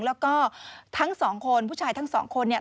แล้วก็ทั้งสองคนผู้ชายทั้งสองคนเนี่ย